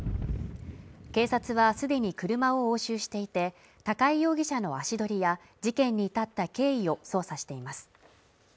警察はすでに車を押収していて高井容疑者の足取りや事件に至った経緯を捜査しています